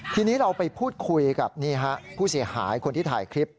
ทีนี้เราไปพูดคุยกับผู้เสียหายคนที่ถ่ายคลิป